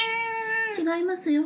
違いますよ。